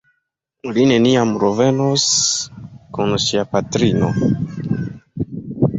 Li neniam revenos kun sia patrino.